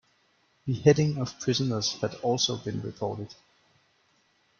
Beheading of prisoners had also been reported.